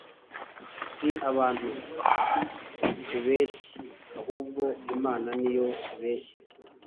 Si abantu ubeshye, ahubwo Imana ni yo ubeshye.”